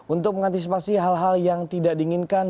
untuk mengantisipasi hal hal yang tidak diinginkan